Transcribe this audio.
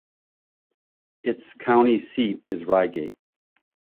Its county seat is Ryegate.